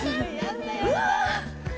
うわ！